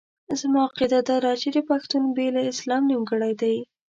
زما عقیده داده چې پښتون بې له اسلام نیمګړی دی.